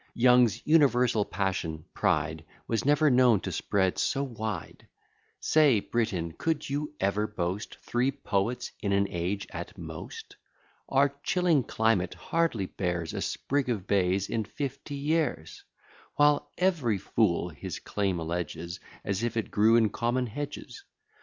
Young's universal passion, pride, Was never known to spread so wide. Say, Britain, could you ever boast Three poets in an age at most? Our chilling climate hardly bears A sprig of bays in fifty years; While every fool his claim alleges, As if it grew in common hedges.